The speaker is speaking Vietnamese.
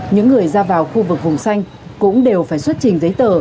những người ra vào khu vực vùng xanh cũng đều phải xuất trình giấy tờ